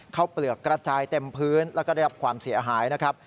เปลือกกระจายเต็มพื้นแล้วก็ได้รับความเสียหายนะครับ